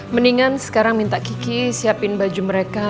mendingan sekarang minta kiki siapin baju mereka